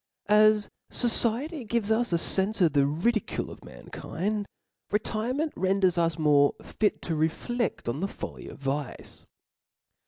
As fociety gives us a fenfe of the ridicules of mankind, retirement renders us more fit to refledk on the folly of vice.